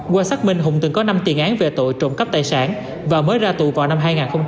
qua xác minh hùng từng có năm tiền án về tội trộm cắp tài sản và mới ra tù vào năm hai nghìn một mươi hai